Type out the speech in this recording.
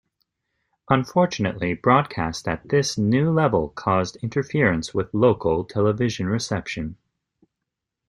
Unfortunately, broadcast at this new level caused interference with local television reception.